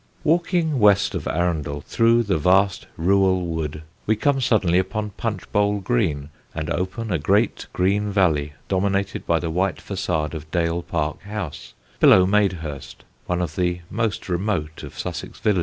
Walking west of Arundel through the vast Rewell Wood, we come suddenly upon Punch bowl Green, and open a great green valley, dominated by the white façade of Dale Park House, below Madehurst, one of the most remote of Sussex villages.